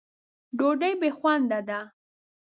ډوډۍ بې خونده ده.